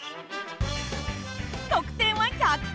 得点は１００点！